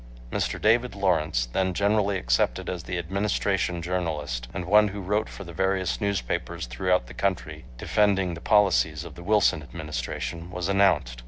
Mr. David Lawrence, then generally accepted as the Administration journalist, and one who wrote for the various newspapers throughout the country defending the policies of the Wilson Administration, was announced.